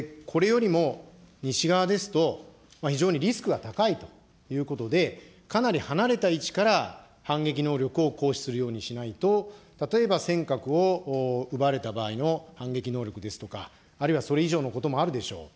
これよりも、西側ですと、非常にリスクが高いということで、かなり離れた位置から反撃能力を行使するようにしないと、例えば、尖閣を奪われた場合の反撃能力ですとか、あるいはそれ以上のこともあるでしょう。